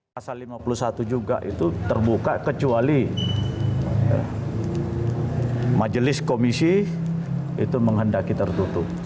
pasal lima puluh satu juga itu terbuka kecuali majelis komisi itu menghendaki tertutup